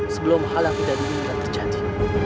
sebelum hal yang tidak diinginkan terjadi